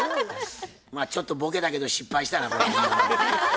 まあちょっとボケたけど失敗したな。